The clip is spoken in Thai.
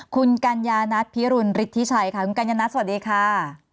คุณกัญญานัทพิรุณฤทธิชัยค่ะคุณกัญญนัทสวัสดีค่ะ